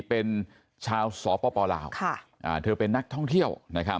เป็นชาวสปลาวเธอเป็นนักท่องเที่ยว